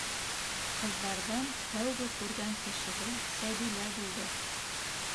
Ҡыҙҙарҙан тәүге күргән кешеһе Сәбилә булды.